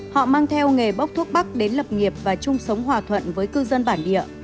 họ mang theo nghề bốc thuốc bắc đến lập nghiệp và chung sống hòa thuận với cư dân bản địa